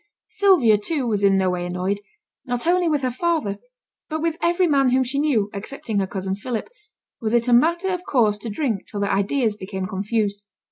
Sylvia, too, was in no way annoyed; not only with her father, but with every man whom she knew, excepting her cousin Philip, was it a matter of course to drink till their ideas became confused.